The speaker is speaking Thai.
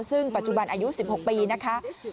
ซึ่งปัจจุบันอายุ๑๖ปีนะคะ